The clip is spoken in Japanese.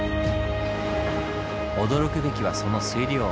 驚くべきはその水量。